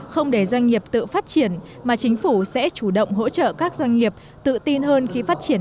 không để doanh nghiệp tự phát triển mà chính phủ sẽ chủ động hỗ trợ các doanh nghiệp tự tin hơn khi phát triển